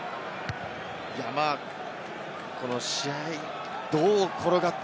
この試合、どう転がって